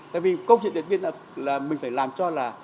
tại vì câu chuyện điện biên là mình phải làm cho là